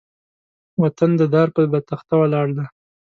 وطن د دار بۀ تخته ولاړ دی